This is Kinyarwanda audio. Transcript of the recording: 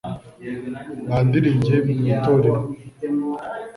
Bandirimbye mu itorero